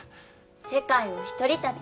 世界を一人旅。